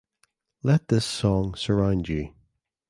Let this song surround you.